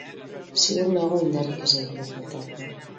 Ziur nago indarrik ez zaigula faltako.